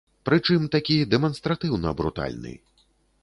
Прычым такі дэманстратыўна брутальны.